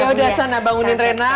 yaudah sana bangunin rena